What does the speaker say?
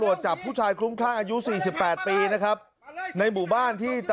จับผู้ชายคลุ้มคลั่งอายุสี่สิบแปดปีนะครับในหมู่บ้านที่ตะ